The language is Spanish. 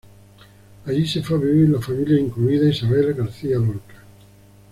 Allí se fue a vivir la familia, incluida Isabel García Lorca.